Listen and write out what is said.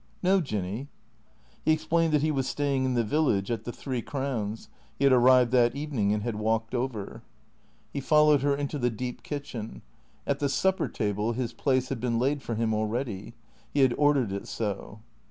" No, Jinny." He explained that he was staying in the village, at the Three Crowns. He had arrived that evening and had walked over. 460 THE CREATORS He followed her into the deep kitchen. At the supper table his place had been laid for him already. He had ordered it so.